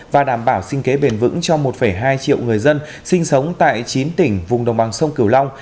và đảm bảo sinh kế bền vững cho một hai triệu người dân sinh sống tại chín tỉnh vùng đồng bằng sông cửu long